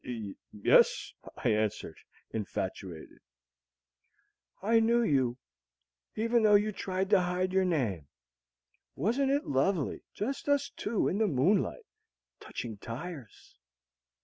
"Yes," I answered, infatuated. "I knew you, even though you tried to hide your name. Wasn't it lovely just us two in the moonlight, touching tires!"